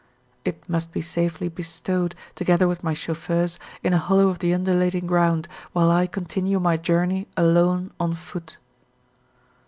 It must be safely bestowed, together with my chauffeurs, in a hollow of the undulating ground, while I continue my journey alone on foot.